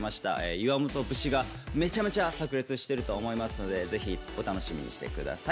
岩本節がめちゃめちゃさく裂してると思いますのでぜひお楽しみにして下さい。